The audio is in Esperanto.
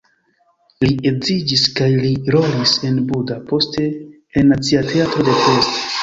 Li edziĝis kaj li rolis en Buda, poste en Nacia Teatro de Pest.